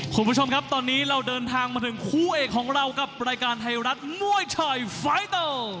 คุณผู้ชมครับตอนนี้เราเดินทางมาถึงคู่เอกของเรากับรายการไทยรัฐมวยไทยไฟเตอร์